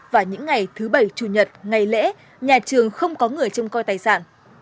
vào những ngày thứ bảy chủ nhật ngày lễ nhà trường không có người châm coi tài sản